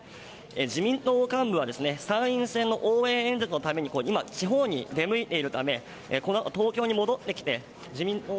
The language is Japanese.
自民党幹部は参院選の応援演説のために地方に出向いているためこの東京に戻ってきて。